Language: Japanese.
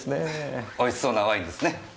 美味しそうなワインですね。